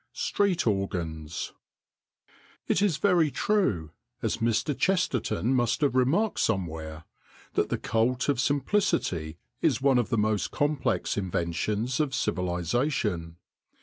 STREET ORGANS IT is very true, as Mr. Chesterton must have remarked somewhere, that the cult of simplicity is one of the most complex inventions of civilisation.